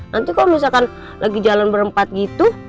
nanti kalau misalkan lagi jalan berempat gitu